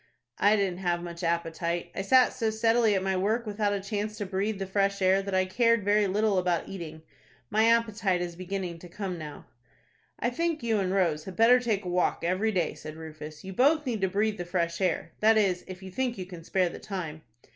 "I didn't have much appetite. I sat so steadily at my work, without a chance to breathe the fresh air, that I cared very little about eating. My appetite is beginning to come now." "I think you and Rose had better take a walk every day," said Rufus. "You both need to breathe the fresh air. That is, if you think you can spare the time."